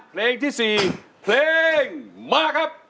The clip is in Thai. เพลงที่๔เพลงมาครับ